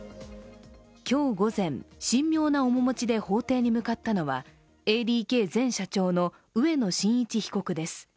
今日午前、神妙な面持ちで法廷に向かったのはＡＤＫ前社長の植野伸一被告です。